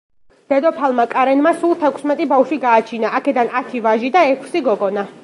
დედოფალმა კარენმა სულ თექვსმეტი ბავშვი გააჩინა, აქედან ათი ვაჟი და ექვსი გოგონა.